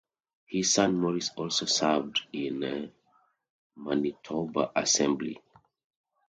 His son Maurice also served in the Manitoba assembly.